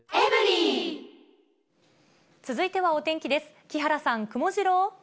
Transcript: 続いてはお天気です。